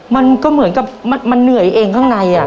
มันก็เหมือนกับมันเหนื่อยเองข้างใน